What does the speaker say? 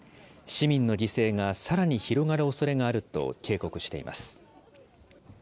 市民の犠牲がさらに広がるおそれがあると警告しています。